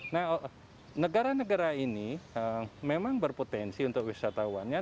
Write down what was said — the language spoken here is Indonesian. nah negara negara ini memang berpotensi untuk wisatawannya